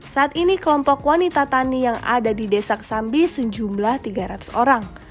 saat ini kelompok wanita tani yang ada di desa kesambi sejumlah tiga ratus orang